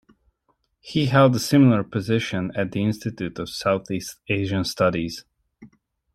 He held a similar position at the Institute of Southeast Asian Studies.